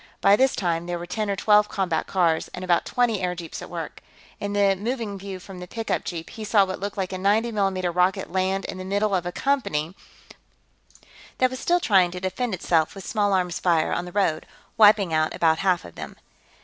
By this time, there were ten or twelve combat cars and about twenty airjeeps at work. In the moving view from the pickup jeep, he saw what looked like a 90 mm rocket land in the middle of a company that was still trying to defend itself with small arms fire on the road, wiping out about half of them.